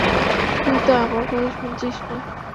তুই তো আমার কথা শুনছিস না।